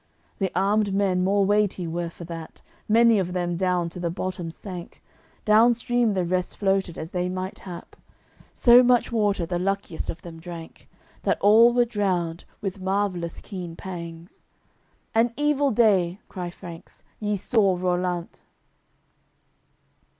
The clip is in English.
The armed men more weighty were for that, Many of them down to the bottom sank, Downstream the rest floated as they might hap; So much water the luckiest of them drank, That all were drowned, with marvellous keen pangs. "An evil day," cry Franks, "ye saw Rollant!"